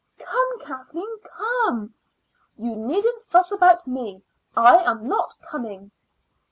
"Come, Kathleen; come." "You needn't fuss about me; I am not coming."